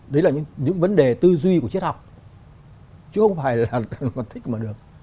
đấy là những vấn đề tư duy của triết học chứ không phải là còn thích mà được